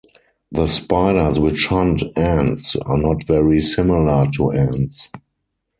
The spiders which hunt ants are not very similar to ants.